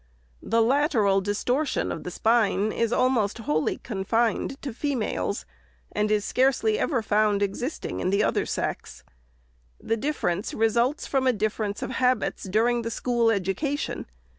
" The lateral distortion of the spine is almost wholly confined to females, and is scarcely ever found existing 460 REPORT OF THE SECRETARY in the other sex. The difference results from a difference of habits during the school education.